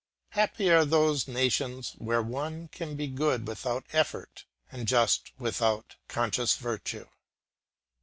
Happy are those nations where one can be good without effort, and just without conscious virtue.